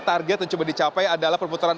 target yang coba dicapai adalah perputaran